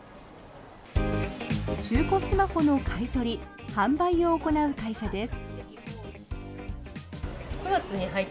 中古スマホの買い取り・販売を行う会社です。